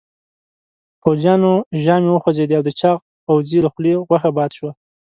پوځيانو ژامې وخوځېدې او د چاغ پوځي له خولې غوښه باد شوه.